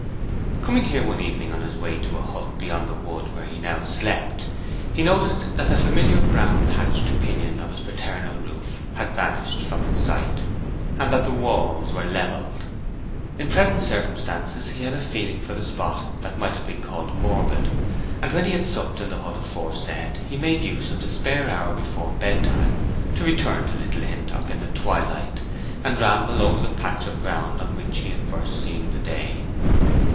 Coming here one evening on his way to a hut beyond the wood where he now slept, he noticed that the familiar brown thatched pinion of his paternal roof had vanished from its site, and that the walls were levelled. In present circumstances he had a feeling for the spot that might have been called morbid, and when he had supped in the hut aforesaid he made use of the spare hour before bedtime to return to Little Hintock in the twilight and ramble over the patch of ground on which he had first seen the day.